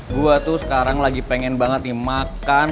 gue tuh sekarang lagi pengen banget dimakan